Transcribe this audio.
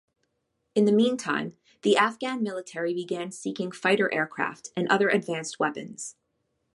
In the meantime, the Afghan military began seeking fighter aircraft and other advanced weapons.